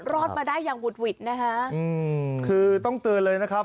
รอดมาได้อย่างบุดหวิดนะฮะอืมคือต้องเตือนเลยนะครับ